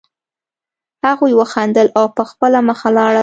هغوی وخندل او په خپله مخه لاړل